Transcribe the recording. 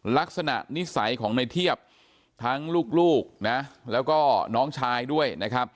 ลักษณะนิสัยของในเทียบทั้งลูกนะแล้วก็น้องชายด้วยนะครับ